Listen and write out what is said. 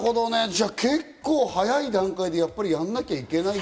じゃあ、結構早い段階でやんなきゃいけない？